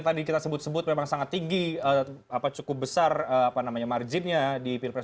tadi kita sebut sebut memang sangat tinggi cukup besar marginnya di pilpres dua ribu sembilan belas